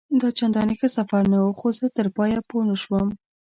دا چنداني ښه سفر نه وو، خو زه تر پایه پوه نه شوم.